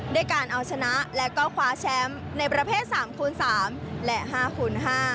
ด้วยการเอาชนะและก็คว้าแชมป์ในประเภท๓คูณ๓และ๕คูณ๕